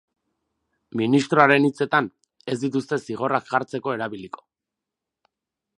Ministroaren hitzetan, ez dituzte zigorrak jartzeko erabiliko.